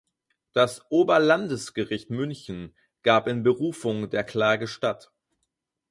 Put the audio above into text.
Das Oberlandesgericht München gab in Berufung der Klage statt.